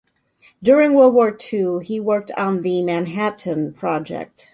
During World War II, he worked on the Manhattan Project.